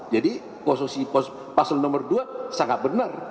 jadi paslon no dua sangat benar